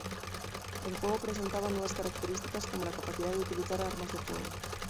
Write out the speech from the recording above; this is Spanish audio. El juego presentaba nuevas características como la capacidad de utilizar armas de fuego.